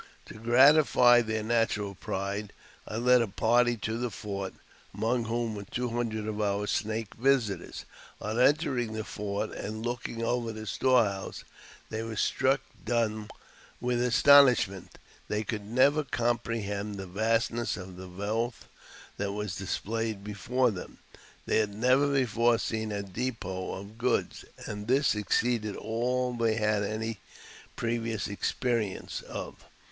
To gratify their natural pride, I led a party to the fort, among whom were two hundred of our Snake visitors. On entering the fort, and looking over the store house, they were struck dumb with astonishment ; they could not comprehend the vastness of the wealth that was displayed before them. They had never before seen a depot of goods, and this exceeded all they had any previous experience of.